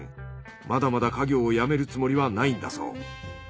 まだまだ家業を辞めるつもりはないんだそう。